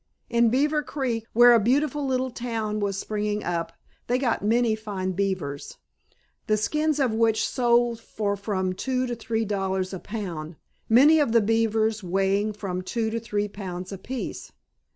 In Beaver Creek, where a beautiful little town was springing up, they got many fine beavers, the skins of which sold for from two to three dollars a pound, many of the beavers weighing from two to three pounds apiece.